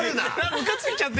「むかついちゃって」